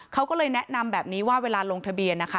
เขาก็เลยแนะนำแบบนี้ว่าเวลาลงทะเบียนนะคะ